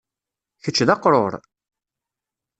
kečč d aqrur?